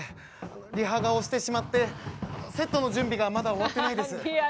リハが押してしまってセットの準備がまだ終わってないです。